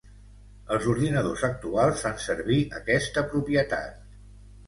Els ordinadors actuals fan servir aquesta propietat.